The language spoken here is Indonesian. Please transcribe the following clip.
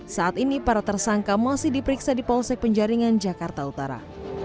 saat ini para tersangka masih diperiksa di polsek penjaringan jakarta utara